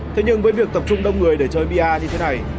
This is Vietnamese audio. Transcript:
thế nhưng với việc tập trung đông người để chơi bia như thế này